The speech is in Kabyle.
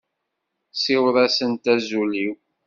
Siweḍ-asent azul-iw.